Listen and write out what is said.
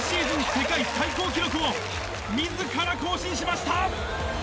世界最高記録をみずから更新しました！